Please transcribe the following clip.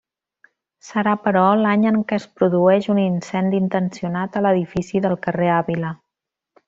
Serà però l'any en què es produeix un incendi intencionat a l'edifici del carrer Àvila.